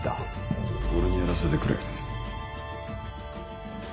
俺にやらせてくれ